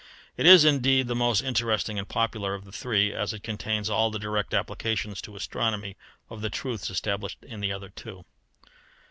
It is, indeed, the most interesting and popular of the three, as it contains all the direct applications to astronomy of the truths established in the other two.